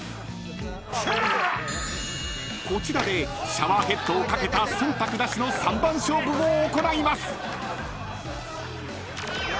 ［こちらでシャワーヘッドを懸けた忖度なしの三番勝負を行います］